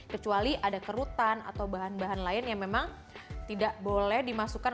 kecuali ada kerutan atau bahan bahan lain yang memang tidak boleh dimasukkan